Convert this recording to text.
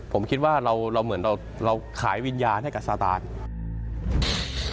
ผมคิดว่าเราเหมือนเราขายวิญญาณให้กับซาตาน